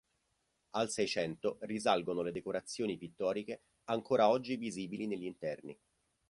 Al Seicento risalgono le decorazioni pittoriche ancora oggi visibili negli interni.